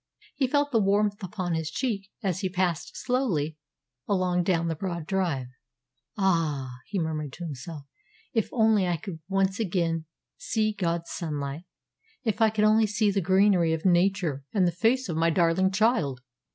He felt the warmth upon his cheek as he passed slowly along down the broad drive. "Ah," he murmured to himself, "if only I could once again see God's sunlight! If I could only see the greenery of nature and the face of my darling child!"